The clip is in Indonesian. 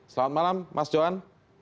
selamat malam mas johan